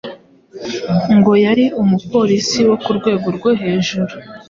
ngo yari umupolisi wo ku rwego rwo hejuru,